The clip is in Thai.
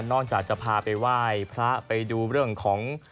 จากจะพาไปไหว้พระไปดูเรื่องของ